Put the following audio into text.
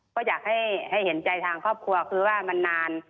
ก็อยากให้เห็นใจทางครอบครัวคือว่ามันนาน